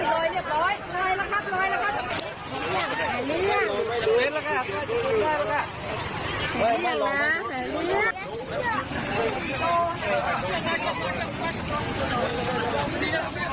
โอ้โฮคุณจังหวะนี้